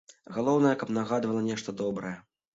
Галоўнае, каб нагадвала нешта добрае.